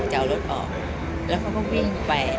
จะเอารถออกแล้วเขาก็วิ่งไป